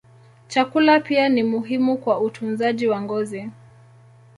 Chakula pia ni muhimu kwa utunzaji wa ngozi.